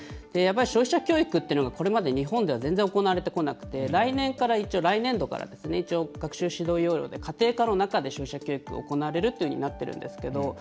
やっぱり消費者教育っていうのがこれまで日本では全然行われてこなくて一応、来年度から学習指導要領で家庭科の中で、消費者教育が行われるというようになっているんですけど。